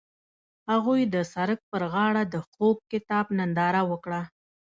هغوی د سړک پر غاړه د خوږ کتاب ننداره وکړه.